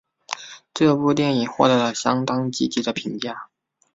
这部电影获得了相当积极的评价。